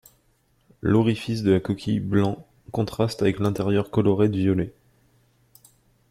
L'orifice de la coquille blanc contraste avec l'intérieur coloré de violet.